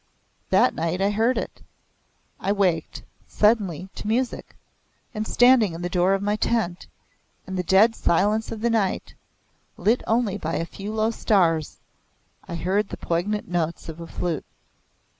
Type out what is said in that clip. That night I heard it. I waked, suddenly, to music, and standing in the door of my tent, in the dead silence of the night, lit only by a few low stars, I heard the poignant notes of a flute.